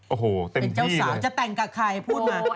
โอ้โฮเต็มที่เลยเป็นเจ้าสาวจะแต่งกับใครพูดมา